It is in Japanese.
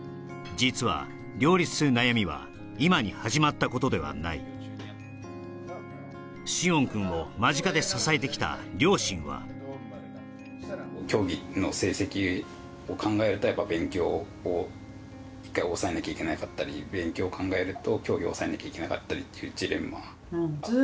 実は両立する悩みは今に始まったことではない詩音くんを間近で支えてきた両親は競技の成績を考えるとやっぱ勉強を１回おさえなきゃいけなかったり勉強を考えると競技をおさえなきゃいけなかったりっていうジレンマ？